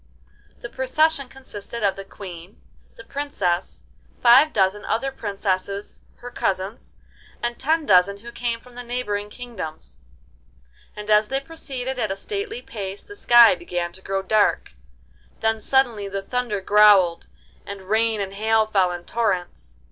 The procession consisted of the Queen, the Princess, five dozen other princesses her cousins, and ten dozen who came from the neighbouring kingdoms; and as they proceeded at a stately pace the sky began to grow dark, then suddenly the thunder growled, and rain and hail fell in torrents.